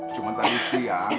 cuma tadi siang